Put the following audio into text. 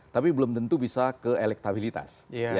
tapi belum tentu bisa ke elektabilitas